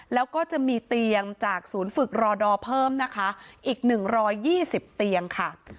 แล้วก็จะมีเตียงจากศูนย์ฝึกรอดอเพิ่มนะคะอีก๑๒๐เตียงค่ะ